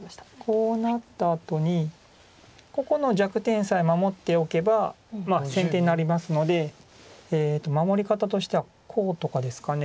こうなったあとにここの弱点さえ守っておけば先手になりますので守り方としてはこうとかですか。